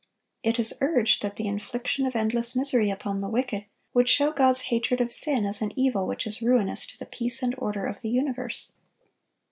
It is urged that the infliction of endless misery upon the wicked would show God's hatred of sin as an evil which is ruinous to the peace and order of the universe.